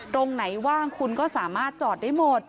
ตรงไหนว่างคุณก็สามารถจอดได้หมด